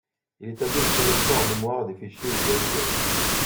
Il établit une projection en mémoire des fichiers ou périphériques.